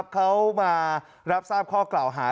เขามารับทราบข้อกล่าวหา